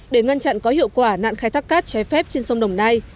để ngăn chặn có hiệu quả nạn khai thác cát trái phép trên sông đồng nai